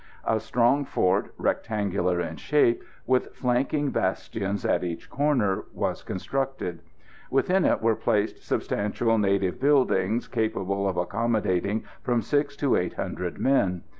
A strong fort, rectangular in shape, with flanking bastions at each corner, was constructed. Within it were placed substantial native buildings capable of accommodating from six to eight hundred men.